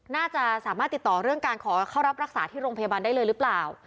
น่าจะสามารถติดต่อเรื่องการขอเข้ารับรักษาที่โรงพยาบาลได้เลยหรือเปล่า